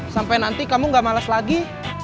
sampai nanti kamu gak malas lagi